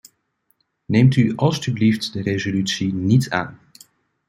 Neemt u alstublieft de resolutie niet aan.